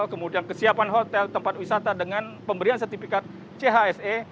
kemudian kesiapan hotel tempat wisata dengan pemberian sertifikat chse